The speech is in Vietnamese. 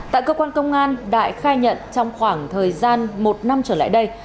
tại cơ quan công an đại khai nhận trong khoảng thời gian một năm trở lại đây